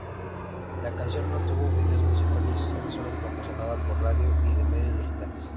La canción no tuvo video musical siendo solo promocionada por radio y medios digitales.